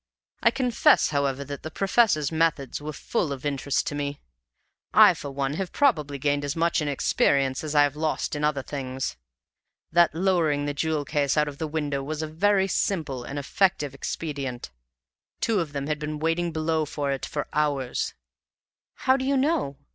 I confess, however, that the professors' methods were full of interest to me. I, for one, have probably gained as much in experience as I have lost in other things. That lowering the jewel case out of the window was a very simple and effective expedient; two of them had been waiting below for it for hours." "How do you know?"